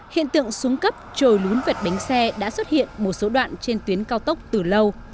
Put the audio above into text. hiện tượng xuống cấp trồi lún vệt bánh xe đã xuất hiện một số đoạn trên tuyến cao tốc từ lâu